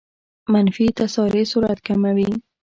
منفي تسارع سرعت کموي.